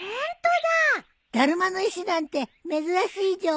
だるまの石なんて珍しいじょ。